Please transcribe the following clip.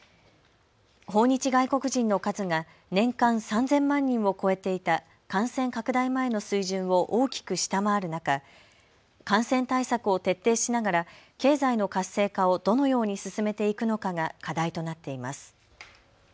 訪日外国人の数が年間３０００万人を超えていた感染拡大前の水準を大きく下回る中、感染対策を徹底しながら経済の活性化をどのように進めていくのかが課題となっています。